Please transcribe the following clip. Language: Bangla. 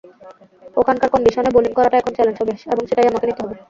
ওখানকার কন্ডিশনে বোলিং করাটা এখন চ্যালেঞ্জ এবং সেটাই আমাকে নিতে হবে।